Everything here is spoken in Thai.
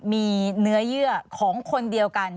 มีเนื้อเยื่อของคนเดียวกัน